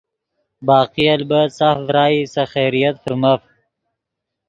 باقی البت ساف ڤرائی سے خیریت فرمف۔